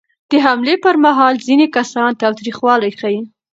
د حملې پر مهال ځینې کسان تاوتریخوالی ښيي.